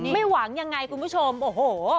ไม่หวังยังไงคุณผู้ชมโอ้โห